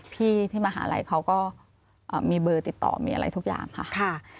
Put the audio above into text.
พี่ที่มหาลัยเขาก็มีเบอร์ติดต่อมีอะไรทุกอย่างค่ะ